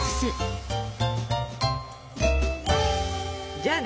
じゃあね